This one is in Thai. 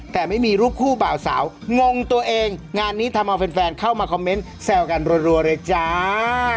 แต่ไม่มีรูปคู่บ่าวสาวงงตัวเองงานนี้ทำเอาแฟนเข้ามาคอมเมนต์แซวกันรัวเลยจ้า